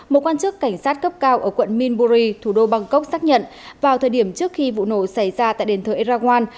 một quan chức cảnh sát cấp cao ở quận minburi thủ đô bangkok xác nhận vào thời điểm trước khi vụ nổ xảy ra tại đền thờ eraguan